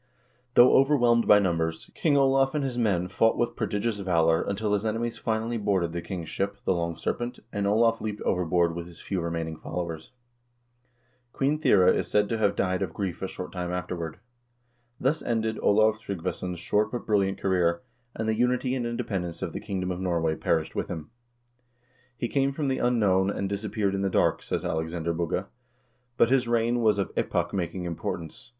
Though overwhelmed by numbers, King Olav and his men fought with prodigious valor until his enemies finally boarded the king's ship, the "Long Serpent," and Olav leaped over board with his few remaining followers. Queen Thyre is said to have died of grief a short time afterward.2 Thus ended Olav Tryggvason's short but brilliant career, and the unity and independence of the kingdom of Norway perished with himi " He came from the unknown, and disappeared in the dark," says Alexander Bugge, "but his reign was of epoch making importance.